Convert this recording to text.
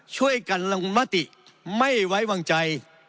ช่วยกันลงมติไม่ไว้วางใจ